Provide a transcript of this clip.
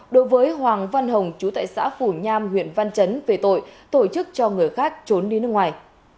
đối với hoàng văn hồng chú tại xã phủ nham huyện văn chấn về tội tổ chức cho người khác trốn đi nước ngoài